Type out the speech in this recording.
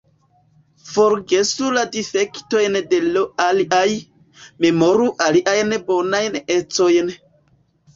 Forgesu la difektojn de l' aliaj, memoru iliajn bonajn ecojn.